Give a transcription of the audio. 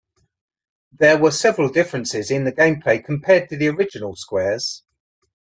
There were several differences in game play compared to the original "Squares".